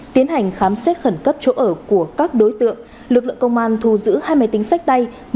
tiến hành khám xét khẩn cấp chỗ ở của các đối tượng lực lượng công an thu giữ hai máy tính sách tay